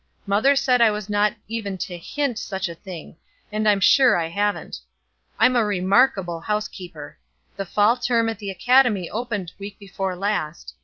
Mother said I was not even to hint such a thing, and I'm sure I haven't. I'm a remarkable housekeeper. The fall term at the academy opened week before last.